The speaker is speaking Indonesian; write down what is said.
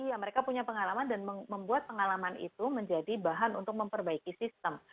iya mereka punya pengalaman dan membuat pengalaman itu menjadi bahan untuk memperbaiki sistem